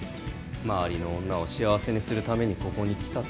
周りの女を幸せにするためにここに来たと。